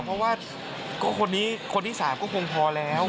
เพราะว่าคนที่สามก็คงพอแล้ว